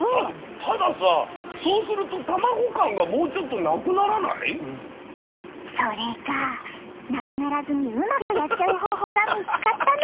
たださそれがなくならずにうまくやっちゃう方法が見つかったの！